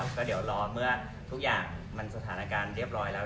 ก็เดี๋ยวรอเมื่อทุกอย่างมันสถานการณ์เรียบร้อยแล้ว